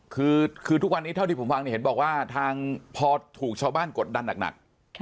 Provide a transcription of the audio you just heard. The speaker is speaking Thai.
คือทุกวันนี้เท่าที่ผมฟังเนี่ยเห็นบอกว่าทางพอถูกชาวบ้านกดดันหนัก